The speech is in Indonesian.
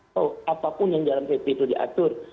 atau apapun yang dalam pp itu diatur